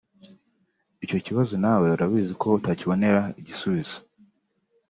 Icyo kibazo nawe urabizi ko utakibonera igisubizo